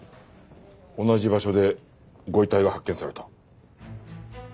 同じ場所でご遺体が発見された。